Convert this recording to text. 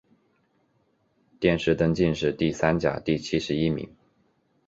殿试登进士第三甲第七十一名。